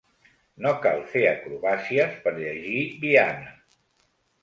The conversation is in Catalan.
No cal fer acrobàcies per llegir Viana.